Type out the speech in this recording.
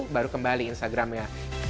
baru kembali instagram nya